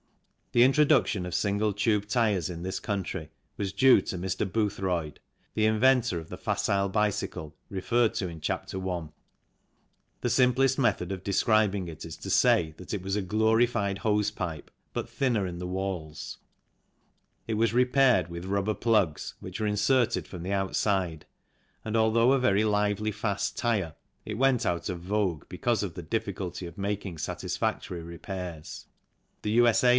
The introduction of single tube tyres in this country was due to Mr. Boothroyd, the inventor of the Facile bicycle referred to in Chapter I. The simplest method of describing it is to say that THE PNEUMATIC AND OTHER TYRES 57 it was a glorified hose pipe but thinner in the walls. It was repaired with rubber plugs which were inserted from the outside, and although a very lively fast tyre, it went out of vogue because of the difficulty of making satisfactory repairs. The U.S.A.